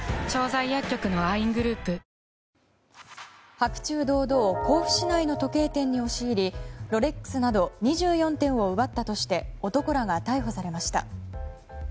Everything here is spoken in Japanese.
白昼堂々甲府市内の時計店に押し入りロレックスなど２４点を奪ったとして男らが逮捕されました。